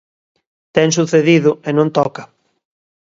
Ten sucedido, e non toca.